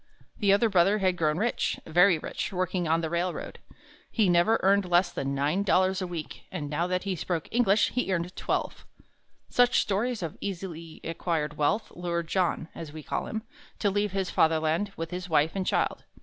The older brother had grown rich very rich working on the railroad. He never earned less than nine dollars a week, and now that he spoke English, he earned twelve. Such stories of easily acquired wealth lured John, as we call him, to leave his Fatherland with his wife and child.